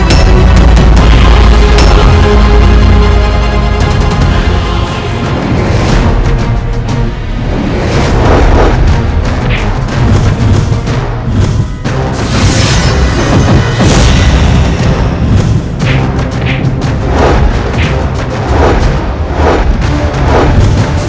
dan menghentikan raiber